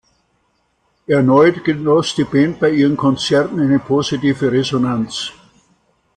Erneut genoss die Band bei ihren Konzerte eine positive Resonanz.